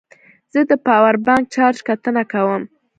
زه د پاور بانک چارج کتنه کوم.